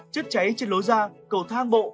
chất cháy trên lối ra cầu thang bộ